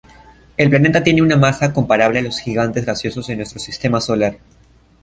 El planeta tiene una masa comparable a los gigantes gaseosos de nuestro sistema solar.